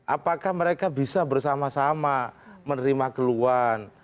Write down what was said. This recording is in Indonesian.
apakah mereka bisa bersama sama menerima keluhan